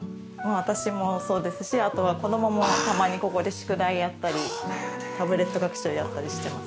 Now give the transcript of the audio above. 私もそうですしあとは子供もたまにここで宿題やったりタブレット学習やったりしてます。